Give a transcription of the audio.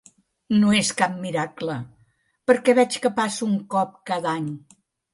No és cap miracle, perquè veig que passa un cop cada any.